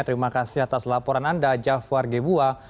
terima kasih atas laporan anda jafar gebua